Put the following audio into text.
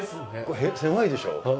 部屋狭いでしょ。